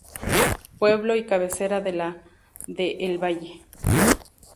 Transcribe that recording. Pueblo y cabecera de la de El Valle.